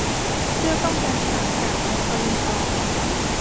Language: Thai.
'เพื่อป้องกันฉลามกัด' อัศวินตอบ